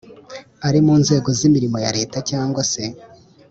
ari mu nzego z imirimo ya Leta cyangwa se